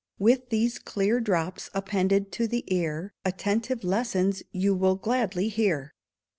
_ With these clear drops appended to the ear, Attentive lessons you will gladly hear.